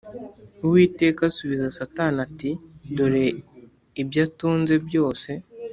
Uwiteka asubiza Satani ati “Dore ibyo atunze byose